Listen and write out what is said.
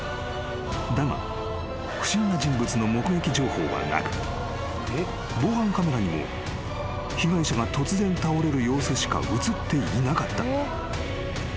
［だが不審な人物の目撃情報はなく防犯カメラにも被害者が突然倒れる様子しか写っていなかった］